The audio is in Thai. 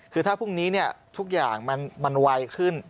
คือถ้าพรุ่งนี้ทุกอย่างมันไวขึ้น